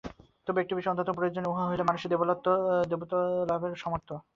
তবে একটি বিষয় অত্যন্ত প্রয়োজনীয়, উহা হইল মানুষের দেবত্বলাভের সামর্থ্য।